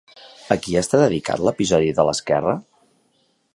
A qui està dedicat l'episodi de l'esquerra?